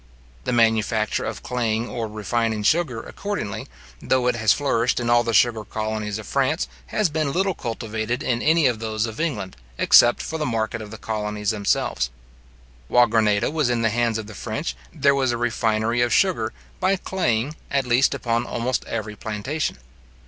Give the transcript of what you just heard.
The manufacture of claying or refining sugar, accordingly, though it has flourished in all the sugar colonies of France, has been little cultivated in any of those of England, except for the market of the colonies themselves. While Grenada was in the hands of the French, there was a refinery of sugar, by claying, at least upon almost every plantation.